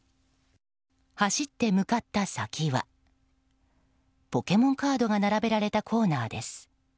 走って向かった先はポケモンカードが並べられたコーナーです。